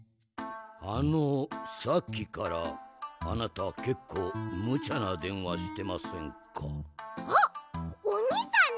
あのさっきからあなたけっこうむちゃなでんわしてませんか？